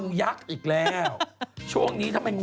งูยักษ์อีกแล้ว